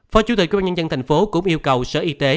phó chủ tịch quyên bán nhân dân thành phố cũng yêu cầu sở y tế